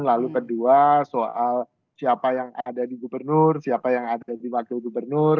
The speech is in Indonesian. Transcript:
lalu kedua soal siapa yang ada di gubernur siapa yang ada di wakil gubernur